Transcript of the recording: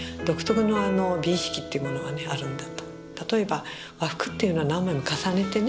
例えば和服っていうのは何枚も重ねてね